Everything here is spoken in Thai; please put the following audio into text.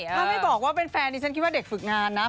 ถ้าไม่บอกว่าเป็นแฟนดิฉันคิดว่าเด็กฝึกงานนะ